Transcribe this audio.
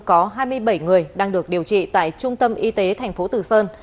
có hai mươi bảy người đang được điều trị tại trung tâm y tế tp từ sơn